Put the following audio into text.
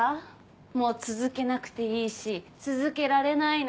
もう続けなくていいし続けられないの。